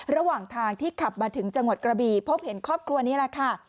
ระหว่างทางที่ขับมาถึงจังหวัดกระบีพบเห็นครอบครัวนี้แหละค่ะ